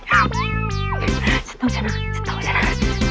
ครับฉันต้องชนะฉันต้องชนะ